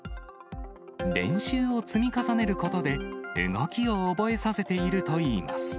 練習を積み重ねることで、動きを覚えさせているといいます。